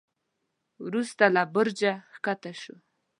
وروسته له برجه کښته شو.